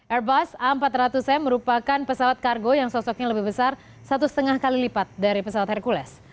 airbus a empat ratus m merupakan pesawat kargo yang sosoknya lebih besar satu lima kali lipat dari pesawat hercules